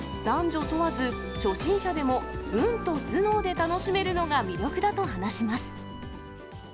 男女問わず、初心者でも、運と頭脳で楽しめるのが魅力だと話します。